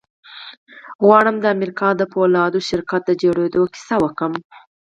غواړم د امريکا د پولادو شرکت د جوړېدو کيسه وکړم.